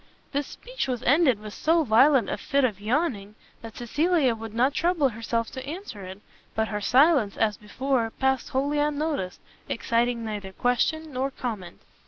This speech was ended with so violent a fit of yawning, that Cecilia would not trouble herself to answer it: but her silence, as before, passed wholly unnoticed, exciting neither question nor comment.